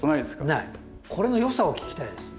これのよさを聞きたいです。